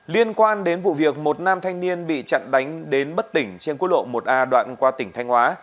liên quan đến vụ việc một nam thanh niên bị chặn đánh đến bất tỉnh trên quốc lộ một a đoạn qua tỉnh thanh hóa